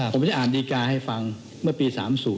ผมจะอ่านดีการ์ให้ฟังเมื่อปี๓๐